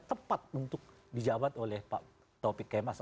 tepat untuk dijawab oleh pak taufik kemas